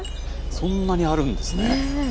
そんなにあるんですね。